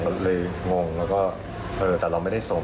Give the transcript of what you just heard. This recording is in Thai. ก็เลยงงแต่เราไม่ได้ส่ง